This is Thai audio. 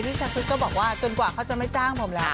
ชาคริสก็บอกว่าจนกว่าเขาจะไม่จ้างผมแล้ว